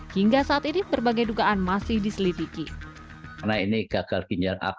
hingga saat ini berbagai dugaan masih diselidiki